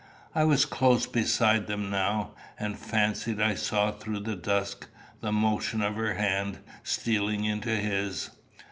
I was close beside them now, and fancied I saw through the dusk the motion of her hand stealing into his.